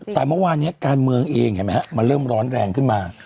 แต่เมื่อวานจุดเองด้านออกมากเริ่มร้อนแรงขึ้นมา